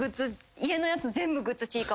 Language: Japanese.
家のやつ全部グッズちいかわ。